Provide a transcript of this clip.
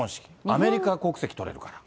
アメリカ国籍取れるから。